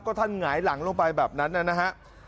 ก็ท่านหงายหลังลงไปแบบนั้นนะฮะ